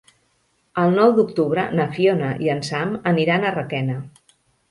El nou d'octubre na Fiona i en Sam aniran a Requena.